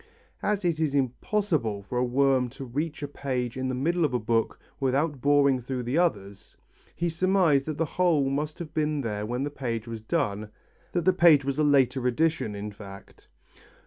As it was impossible for a worm to reach a page in the middle of the book without boring through the others, he surmised that the hole must have been there when the page was done, that the page was a later addition in fact.